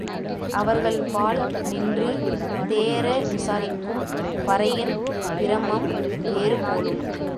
அவர்கள்பால் நின்று தேற விசாரிக்கும் பறையன் பிரமம் வேறு போலும்.